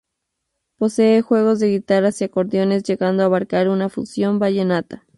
Posee juegos de guitarras y acordeones, llegando a abarcar una fusión vallenata.